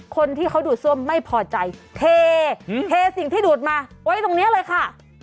คนที่เขาดูดซ่วมไม่พอใจเทสิ่งที่ดูดมาไว้ตรงนี้เลยค่ะ